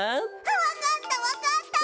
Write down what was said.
わかったわかった！